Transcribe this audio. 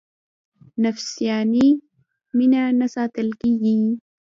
نفساني مینه نه ستایل کېږي.